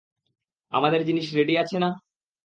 আমাদের জিনিস রেডি আছে না?